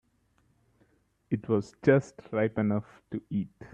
It was just ripe enough to eat.